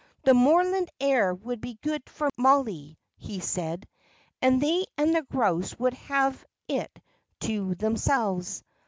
The moorland air would be good for Mollie, he said, and they and the grouse would have it to themselves.